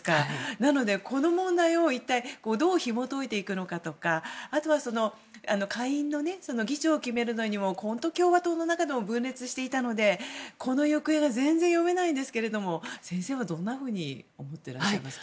なので、この問題を一体どうひも解いていくのかとかあとは下院の議長を決めるのにも共和党の中も分裂していたので今後の行方は全然読めないんですけど先生はどんなふうに見ていらっしゃいますか？